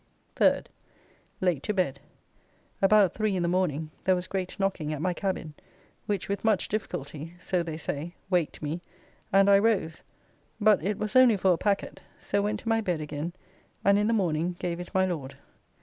3d. Late to bed. About three in the morning there was great knocking at my cabin, which with much difficulty (so they say) waked me, and I rose, but it was only for a packet, so went to my bed again, and in the morning gave it my Lord.